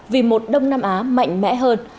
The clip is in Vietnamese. vì một đông nam á mạnh mẽ hơn